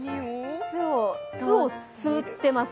すを吸っています。